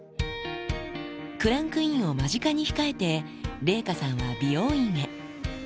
クランクインを間近に控えて、麗禾さんは美容院へ。